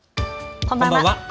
こんばんは。